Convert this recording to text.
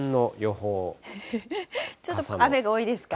ちょっと雨が多いですか。